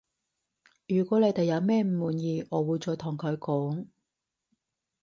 如果你哋有咩唔滿意我會再同佢講